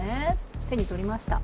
手に取りました。